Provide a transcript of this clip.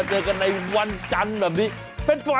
สวัสดีคุณชนะค่ะ